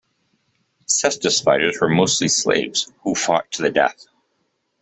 Cestus-fighters were mostly slaves, who fought to the death.